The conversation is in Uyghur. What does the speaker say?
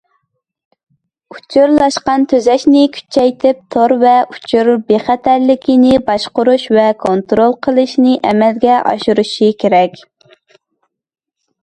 ئۇچۇرلاشقان تۈزەشنى كۈچەيتىپ، تور ۋە ئۇچۇر بىخەتەرلىكىنى باشقۇرۇش ۋە كونترول قىلىشنى ئەمەلگە ئاشۇرۇش كېرەك.